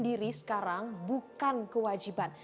diri sekarang bukan kewajiban